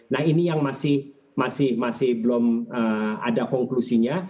nah ini yang masih belum ada konklusinya